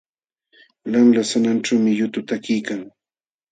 Lanla sananćhuumi yutu takiykan.